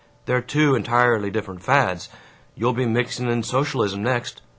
They're two entirely different fads! You'll be mixing in socialism next!